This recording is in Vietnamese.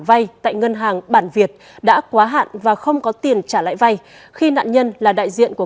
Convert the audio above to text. vay tại ngân hàng bản việt đã quá hạn và không có tiền trả lại vay khi nạn nhân là đại diện của